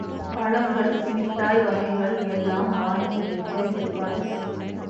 பழங்கள் மிட்டாய் வகைகள் எல்லாம் வாங்கி வைக்க ஏற்பாடு செய்.